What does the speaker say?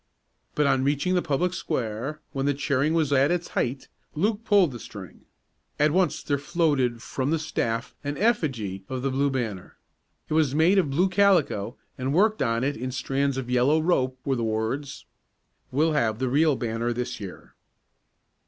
But on reaching the public square, when the cheering was at its height, Luke pulled the string. At once there floated from the staff an "effigy" of the Blue Banner. It was made of blue calico and worked on it in strands of yellow rope were the words: WE'LL HAVE THE REAL BANNER THIS YEAR!